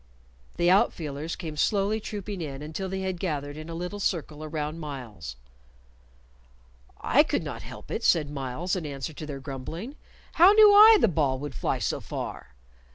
The outfielders came slowly trooping in until they had gathered in a little circle around Myles. "I could not help it," said Myles, in answer to their grumbling. "How knew I the ball would fly so far?